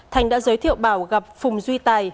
thành đã giới thiệu bảo gặp phùng duy tài